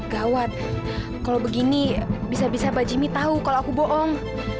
gawat kalau begini bisa bisa bajimmy tahu kalau aku bohong